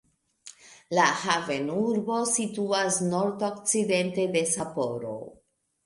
La havenurbo situas nordokcidente de Sapporo.